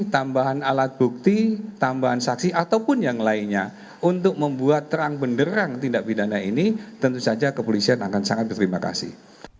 tambahan alat bukti tambahan saksi ataupun yang lainnya untuk membuat terang benderang tindak pidana ini tentu saja kepolisian akan sangat berterima kasih